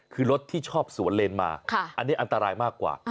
คือรถที่ชอบสวนเลนมาอันนี้อันตรายมากกว่า